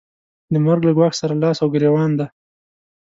د مرګ له ګواښ سره لاس او ګرېوان ده.